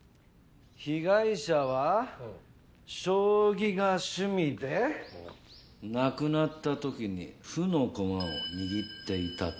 被害者は将棋が趣味で亡くなった時に歩の駒を握っていたと。